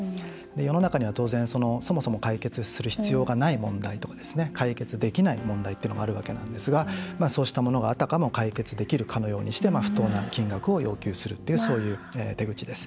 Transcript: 世の中には、当然、そもそも解決する必要がない問題とか解決できない問題っていうのがあるわけなんですがそうしたものが、あたかも解決できるかのようにして不当な金額を要求するっていうそういう手口です。